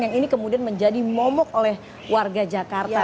yang ini kemudian menjadi momok oleh warga jakarta